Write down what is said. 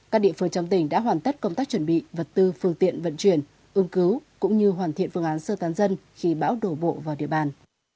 các địa phương trong tỉnh đã hoàn tất công tác chuẩn bị vật tư phương tiện vận chuyển ưng cứu cũng như hoàn thiện phương án sơ tán dân khi bão đổ bộ vào địa bàn